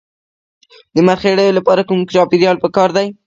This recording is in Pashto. د مرخیړیو لپاره کوم چاپیریال پکار دی؟